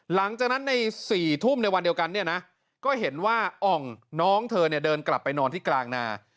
หลังจากนั้นใน๔ทุ่มในวันเดียวกันเนี่ยนะก็เห็นว่าอ่องน้องเธอเนี่ยเดินกลับไปนอนที่กลางนา